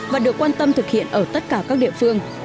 và được quan tâm thực hiện ở tất cả các địa phương